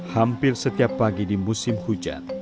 hampir setiap pagi di musim hujan